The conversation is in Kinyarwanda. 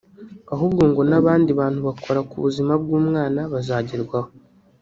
ahubwo ngo n’abandi bantu bakora ku buzima bw’umwana bazagerwaho